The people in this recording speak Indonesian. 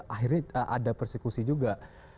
akhirnya ada persekusi juga